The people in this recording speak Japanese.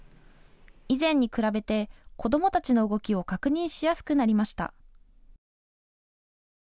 以前に比べて子どもたちの動きを確認しやすくなりました。